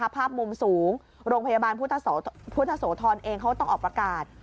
ภาพมุมสูงโรงพยาบาลพุทธโสธรเองเขาต้องออกประกาศ